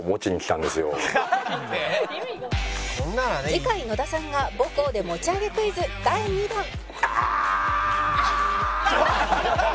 次回野田さんが母校で持ち上げクイズ第２弾ああーっ！！